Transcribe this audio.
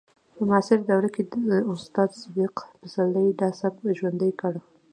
په معاصره دوره کې استاد صدیق پسرلي دا سبک ژوندی کړ